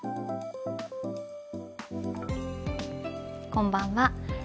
こんばんは。